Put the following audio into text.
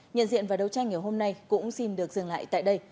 nhận diện và đấu tranh ngày hôm nay cũng xin được dừng lại tại đây